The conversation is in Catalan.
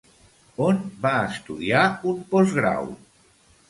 On va estudiar un postgrau?